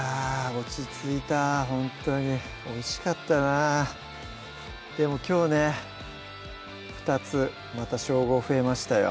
落ち着いたほんとにおいしかったなでもきょうね２つまた称号増えましたよ